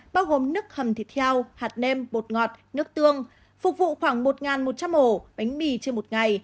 bao gồm nước hầm thịt heo hạt nem bột ngọt nước tương phục vụ khoảng một một trăm linh ổ bánh mì trên một ngày